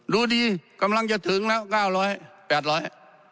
ดูดีกำลังจะถึงแล้วเก้าร้อยแปดร้อย